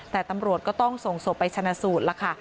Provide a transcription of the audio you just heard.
แต่ตำรวจก็ต้องส่งศพไปชนะสูตรล่ะค่ะ